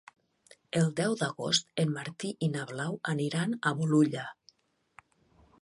El deu d'agost en Martí i na Blau aniran a Bolulla.